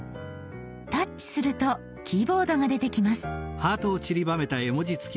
タッチするとキーボードが出てきます。